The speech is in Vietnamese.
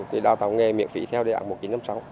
thì đào tạo nghề miễn phí theo đề án một kỷ năm sau